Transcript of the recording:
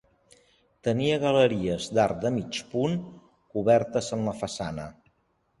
Tenia galeries d'arc de mig punt, cobertes en la façana.